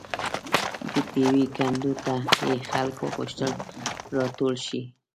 د پېوې کنډو ته یې خلک وغوښتل راټول شي.